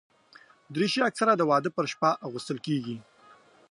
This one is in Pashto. دریشي اکثره د واده پر شپه اغوستل کېږي.